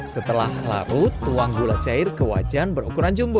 setelah larut tuang gula cair ke wajan berukuran jumbo